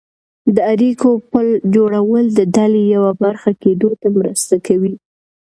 د اړیکو پل جوړول د ډلې یوه برخه کېدو ته مرسته کوي.